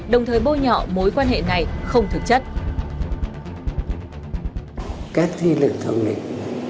đồng thời bôi nhọ mối quan hệ này không thực chất